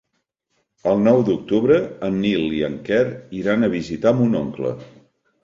El nou d'octubre en Nil i en Quer iran a visitar mon oncle.